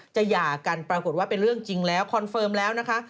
หย่ากันปรากฏว่าเป็นเรื่องจริงแล้วคอนเฟิร์มแล้วนะคะ